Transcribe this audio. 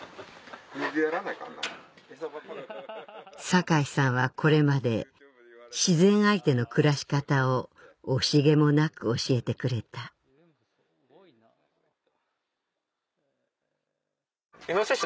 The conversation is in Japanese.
酒井さんはこれまで自然相手の暮らし方を惜しげもなく教えてくれたイノシシ